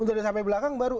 untuk sampai belakang baru